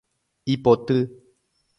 Ipoty.